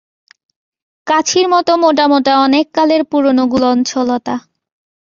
কাছির মতো মোটা মোটা অনেককালের পুরোনো গুলঞ্চ লতা।